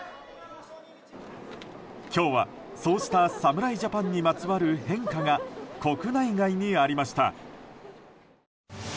今日は、そうした侍ジャパンにまつわる変化が国内外にありました。